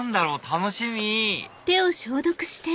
楽しみ！